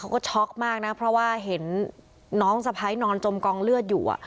เขาก็ช็อกมากนะเพราะว่าเห็นน้องสะพ้ายนอนจมกองเลือดอยู่